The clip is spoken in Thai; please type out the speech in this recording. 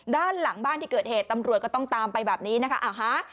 ด้านหลังบ้านที่เกิดเหตุตำรวจก็ต้องตามไปแบบนี้นะคะอ่าฮะ